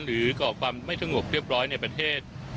ก่อความไม่สงบเรียบร้อยในประเทศ